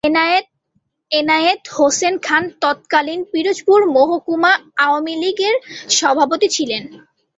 এনায়েত হোসেন খান তৎকালীন পিরোজপুর মহকুমা আওয়ামী লীগের সভাপতি ছিলেন।